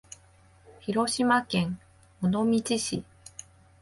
広島県尾道市